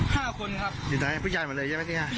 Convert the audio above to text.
เจ็บหลังว่าคนเนี่ย